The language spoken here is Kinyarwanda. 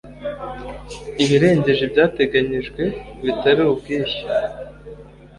ibirengeje ibyateganyijwe bitari ubwishyu